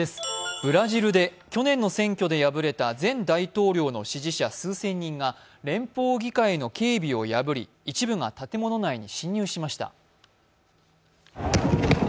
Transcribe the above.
ブラジルで去年の選挙で敗れた前大統領の支持者数千人が連邦議会の警備を破り一部が建物内に侵入しました。